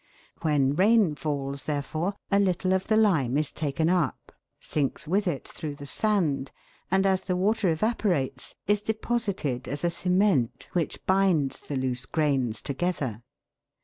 When rain falls, therefore, a little of the lime is taken up, sinks with it through the sand, and, as the water evaporates, is deposited as a cement which binds the loose grains together.